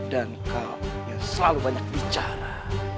dan kau yang selalu banyak bicara